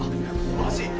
・マジ？